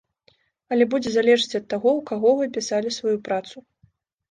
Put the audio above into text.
Але будзе залежыць ад таго, у каго вы пісалі сваю працу.